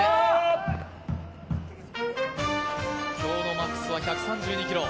今日のマックスは１３２キロ。